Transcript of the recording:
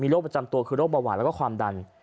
โรคประจำตัวคือโรคเบาหวานแล้วก็ความดัน